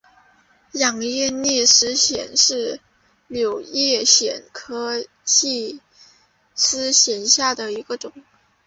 仰叶拟细湿藓为柳叶藓科拟细湿藓下的一个种。